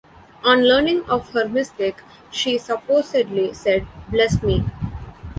On learning of her mistake, she supposedly said: Bless me!